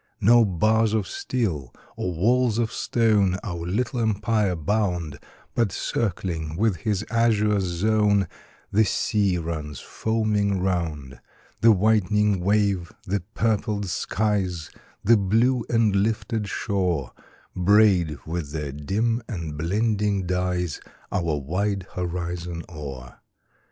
No bars of steel or walls of stone Our little empire bound, But, circling with his azure zone, The sea runs foaming round; The whitening wave, the purpled skies, The blue and lifted shore, Braid with their dim and blending dyes Our wide horizon o'er.